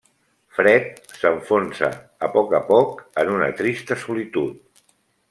Fred s'enfonsa a poc a poc en una trista solitud.